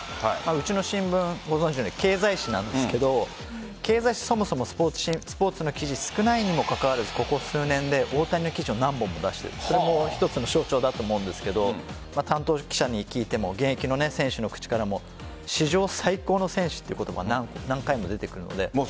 うちの新聞、ご存じのように経済紙なんですけど経済紙、そもそもスポーツの記事少ないにもかかわらずここ数年で大谷の記事を何本も出していてそれも一つの象徴だと思うんですけど担当記者に聞いても現役の選手の口からも史上最高の選手って言葉何回も出てくるので。